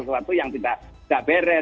sesuatu yang tidak beres